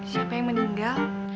siapa yang meninggal